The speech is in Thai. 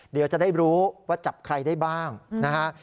เดี๋ยวจะได้รู้ว่าจับใครได้บ้างนะฮะ